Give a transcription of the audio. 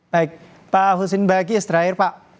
baik pak husin bagi istirahatnya pak